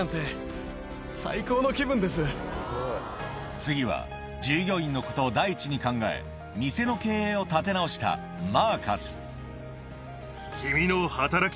次は従業員のことを第一に考え店の経営を立て直したそんな。